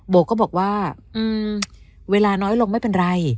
โกก็บอกว่าเวลาน้อยลงไม่เป็นไร